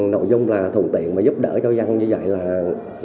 nội dung là thùng tiện mà giúp đỡ cho dân như vậy là ngon rồi